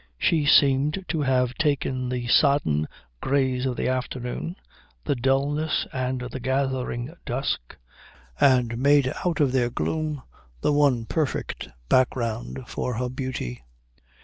She seemed to have taken the sodden greys of the afternoon, the dulness and the gathering dusk, and made out of their gloom the one perfect background for her beauty.